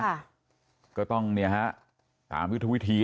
และก็คือว่าถึงแม้วันนี้จะพบรอยเท้าเสียแป้งจริงไหม